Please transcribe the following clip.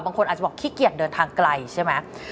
บางคนอาจจะบอกขี้เกียจเดินทางไกลใช่ไหม